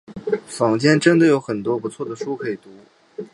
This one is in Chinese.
坊间真的有很多不错的书可以读